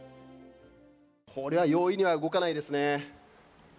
これは容易には動かないですね。